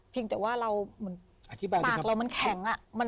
เพียงแต่ว่าเราปากเรามันแข็งอ่ะ